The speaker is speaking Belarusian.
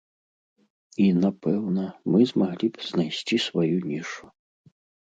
І, напэўна, мы змаглі б знайсці сваю нішу.